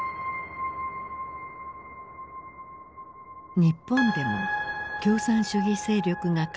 日本でも共産主義勢力が拡大していた。